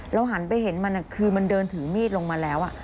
หันไปเห็นมันคือมันเดินถือมีดลงมาแล้ว